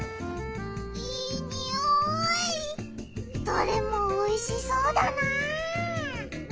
どれもおいしそうだな！